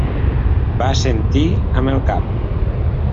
Va assentir amb el cap.